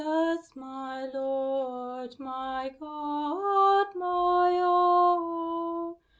Jesus, my Lord, my God, my all!